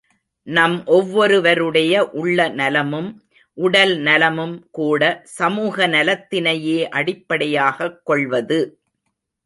நம் ஒவ்வொரு வருடைய உள்ள நலமும் உடல் நலமும் கூட சமூக நலத்தினையே அடிப்படையாகக் கொள்வது.